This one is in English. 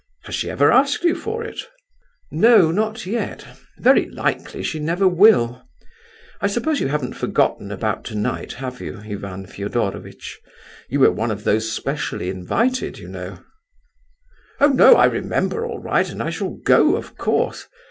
Has she ever asked you for it?" "No, not yet. Very likely she never will. I suppose you haven't forgotten about tonight, have you, Ivan Fedorovitch? You were one of those specially invited, you know." "Oh no, I remember all right, and I shall go, of course.